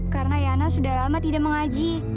karena ya'nah sudah lama tidak mengaji